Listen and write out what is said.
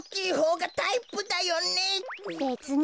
べつに。